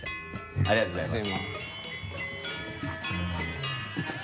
ありがとうございます。